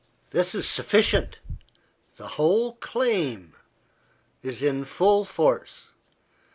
This is sufficient the whole claim is in full force.